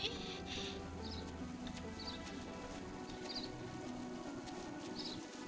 kok kok deknya nggak ada sih